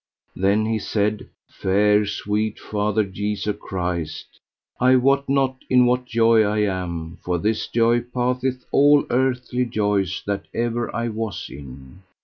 Then he said: Fair sweet Father, Jesu Christ, I wot not in what joy I am, for this joy passeth all earthly joys that ever I was in.